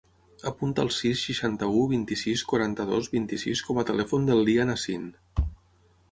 Apunta el sis, seixanta-u, vint-i-sis, quaranta-dos, vint-i-sis com a telèfon del Lian Asin.